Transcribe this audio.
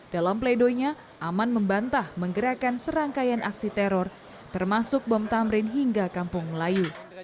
dalam pledoinya aman membantah menggerakkan serangkaian aksi teror termasuk bom tamrin hingga kampung melayu